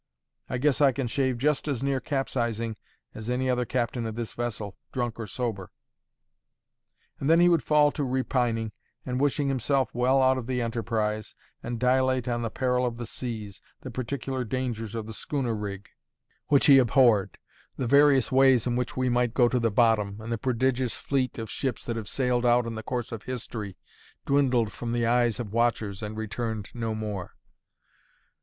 I guess I can shave just as near capsizing as any other captain of this vessel, drunk or sober." And then he would fall to repining and wishing himself well out of the enterprise, and dilate on the peril of the seas, the particular dangers of the schooner rig, which he abhorred, the various ways in which we might go to the bottom, and the prodigious fleet of ships that have sailed out in the course of history, dwindled from the eyes of watchers, and returned no more.